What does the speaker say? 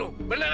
gambar lagi ya